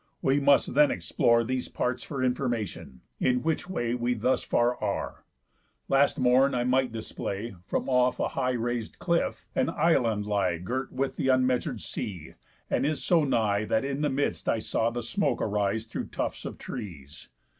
We must then explore These parts for information; in which way We thus far are: Last morn I might display (From off a high rais'd cliff) an island lie Girt with th' unmeasur'd sea, and is so nigh That in the midst I saw the smoke arise Through tufts of trees.